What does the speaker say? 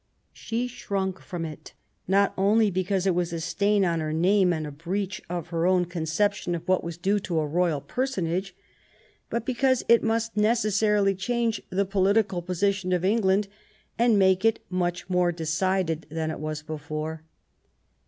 She shrunk from it, not only because it was a stain on her name, and a breach of her own conception of what was due to a royal personage, but because it must necessarily change the political position of England, and make it much more decided than it 232 QUEEN ELIZABETH. was before.